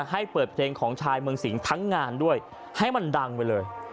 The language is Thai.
ให้เปิดเพลงของชายเมืองสิงทั้งงานด้วยให้มันดังไปเลย